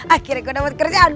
akhirnya gue udah buat kerjaan